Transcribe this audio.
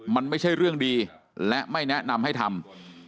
มันไม่ใช่เรื่องดีและไม่แนะนำให้ทำ